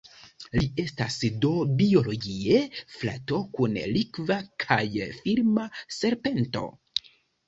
Li estas do "biologie" frato kun Likva kaj Firma serpento.